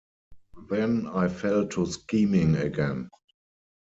Then I fell to scheming again.